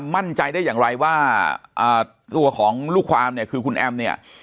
มั่นใจได้อย่างไรว่าตัวของลูกความเนี่ยคือคุณแอมเนี่ย